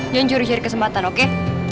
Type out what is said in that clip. jangan curi curi kesempatan oke